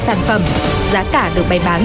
sản phẩm giá cả được bày bán